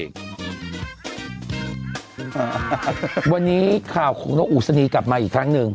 วันนี้ข่าวของนกอุศนีกลับมาอีกครั้งหนึ่ง